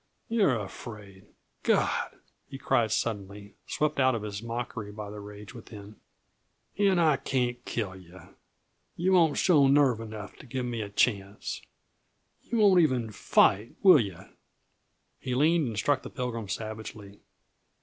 You're afraid God!" he cried suddenly, swept out of his mockery by the rage within. "And I can't kill yuh! Yuh won't show nerve enough to give me a chance! Yuh won't even fight, will yuh?" He leaned and struck the Pilgrim savagely.